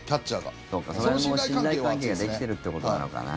そうか、それも信頼関係ができてるってことなのかな。